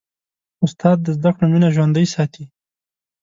استاد د زدهکړو مینه ژوندۍ ساتي.